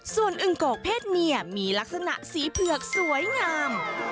ส่วนอึงโกกเพศเมียมีลักษณะสีเผือกสวยงาม